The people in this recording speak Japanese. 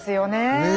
ねえ。